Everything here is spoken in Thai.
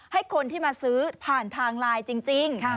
ให้คนที่มาซื้อผ่านทางไลน์จริง